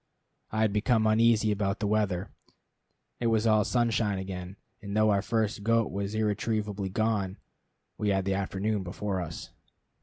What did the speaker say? I had become uneasy about the weather. It was all sunshine again, and though our first goat was irretrievably gone, we had the afternoon before us.